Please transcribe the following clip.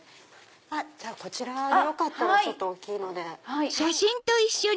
こちらよかったらちょっと大きいので。